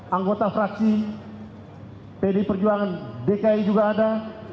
anggota fraksi pd perjuangan dki juga ada